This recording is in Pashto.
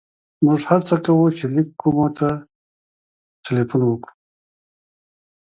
موږ هڅه کوو چې لېک کومو ته ټېلیفون وکړو.